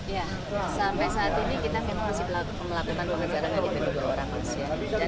ya sampai saat ini kita memang masih melakukan pengejaran dari dua orang